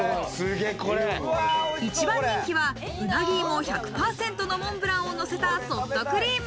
一番人気はうなぎいも１００％のモンブランをのせたソフトクリーム。